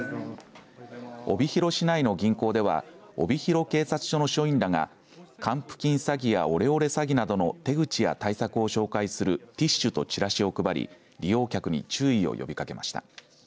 帯広市内の銀行では帯広警察署の署員らが還付金詐欺やオレオレ詐欺などの手口や対策を紹介するティッシュとチラシを配り利用客に注意を呼びかけました。